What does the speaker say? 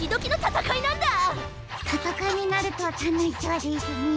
たたかいになるとたのしそうですね。